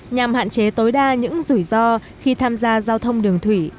nhằm hạn chế tối đa những rủi ro khi tham gia giao thông đường thủy